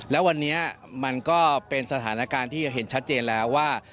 แล้ววันนี้มันก็เป็นสถานการณ์ที่เห็นชัดเจนแล้วว่า